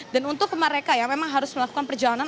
dan untuk mereka yang memang harus melakukan perjalanan